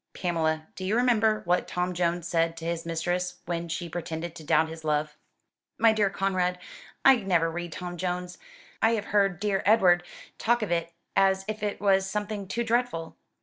"Pamela, do you remember what Tom Jones said to his mistress when she pretended to doubt his love?" "My dear Conrad, I never read 'Tom Jones,' I have heard dear Edward talk of it as if it was something too dreadful."